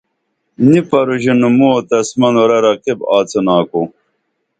نی پروژینُم موں او تس منورہ رقیب آڅِنا کُو